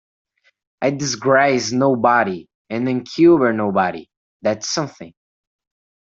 I disgrace nobody and encumber nobody; that's something.